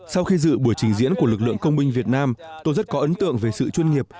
sau khi dự buổi trình diễn của lực lượng công binh việt nam tôi rất có ấn tượng về sự chuyên nghiệp